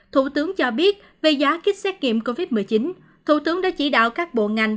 thủ tướng cho biết về giá kích xét nghiệm covid một mươi chín thủ tướng đã chỉ đạo các bộ ngành